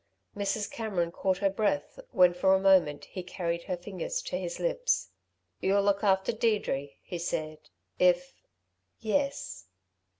Mrs. Cameron caught her breath when for a moment he carried her fingers to his lips. "You'll look after Deirdre," he said, "if " "Yes."